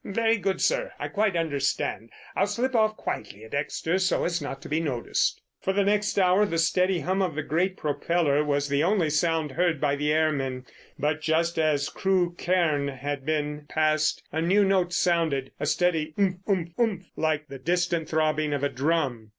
"Very good, sir; I quite understand. I'll slip off quietly at Exeter so as not to be noticed." For the next hour the steady hum of the great propeller was the only sound heard by the airmen, but just as Crewkerne had been passed a new note sounded—a steady umph! umph! umph! like the distant throbbing of a drum.